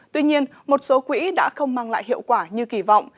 tuy nhiên một số quỹ đã không mang lại hiệu quả như kỳ vọng